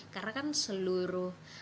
karena kan seluruh